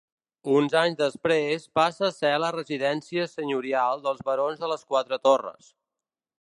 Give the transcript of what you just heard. Uns anys després, passa a ser la residència senyorial dels barons de les Quatre Torres.